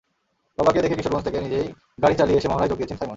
বাবাকে দেখে কিশোরগঞ্জ থেকে নিজেই গাড়ি চালিয়ে এসে মহড়ায় যোগ দিয়েছেন সাইমন।